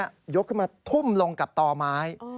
ยกขึ้นมาทุ่มลงกับต่อไม้